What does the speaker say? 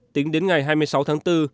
tính đến ngày hai mươi sáu tháng bốn